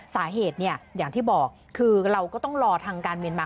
สาเหตุเนี่ยอย่างที่บอกคือเราก็ต้องรอทางการเมียนมา